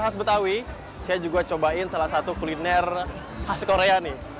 saya juga cobain salah satu kuliner khas korea nih